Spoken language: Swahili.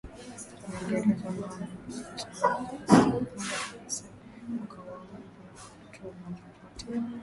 Waingereza nao wakashika nafasi ya kwanza kabisa wakawauza watumwa popote